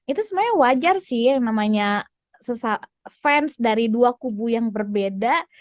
itu sebenarnya wajar sih yang namanya fans dari dua kubu yang berbeda